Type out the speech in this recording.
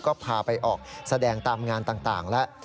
ก็พาไปสแดงตามงานต่างนะ